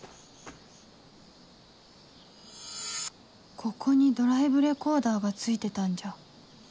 ここにドライブレコーダーが付いてたんじゃ？